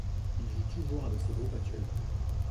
Il joue toujours avec ce groupe actuellement.